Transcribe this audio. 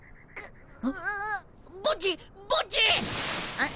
あっ？